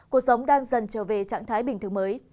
cuộc sống đang dần trở về trạng thái bình thường mới